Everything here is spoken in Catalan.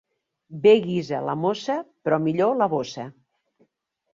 Bé guisa la mossa, però millor la bossa.